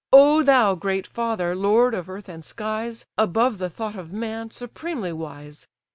O thou, great father! lord of earth and skies, Above the thought of man, supremely wise!